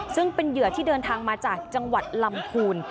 ซึ่งเป็นเหยื่อที่เดินทางมาจากจังหวัดลำพูน